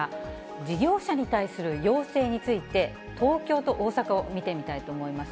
事業者に対する要請について、東京と大阪を見てみたいと思います。